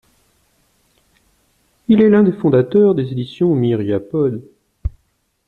Il est l'un des fondateurs des éditions Myriapode.